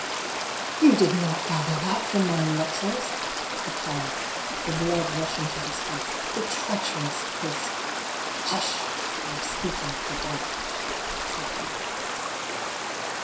" You did not gather that from my letters !" he cried, the blood rushing to his face. " The treacherous puss "" Hush ! We are speaking of the dead," said Hugh.